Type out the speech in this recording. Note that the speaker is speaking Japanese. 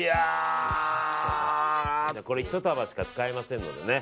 これ、１束しか使えませんのでね。